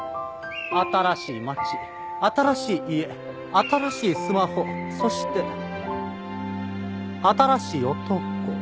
新しい町新しい家新しいスマホそして新しい男。